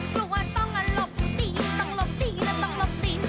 กลัวต้องลบดินต้องลบดินต้องลบดิน